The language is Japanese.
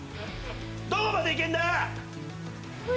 どこまで行けんだ